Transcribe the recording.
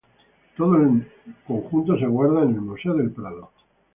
Todo el conjunto se guarda en el Museo del Prado.